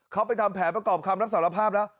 เขาไปทำแผนประกอบคำรับสารภาพแล้ว